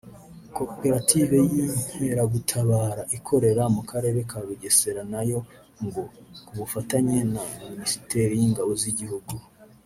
Koperative y’Inkeragutabara ikorera mu karere ka Bugesera nayo ngo ku bufatanye na minisiteri y’Ingabo z’igihugu